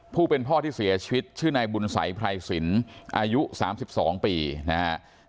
ผู้เป็นพ่อที่เสียชีวิตชื่อนายบุญสัยไพรสินอายุ๓๒ปีนะครับ